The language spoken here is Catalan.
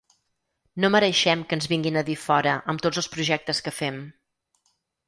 No mereixem que ens vinguin a dir fora amb tots els projectes que fem.